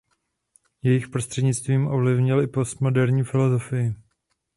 Jejich prostřednictvím ovlivnil i postmoderní filosofii.